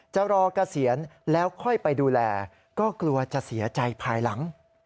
จะรอเกษียณแล้วค่อยไปดูแลก็กลัวจะเสียใจภายหลัง